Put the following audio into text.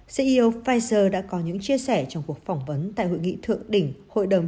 ceo pfizer đã có những chia sẻ trong cuộc phỏng vấn tại hội nghị thượng đỉnh hội đồng